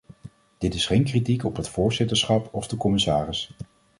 Dit is geen kritiek op het voorzitterschap of de commissaris.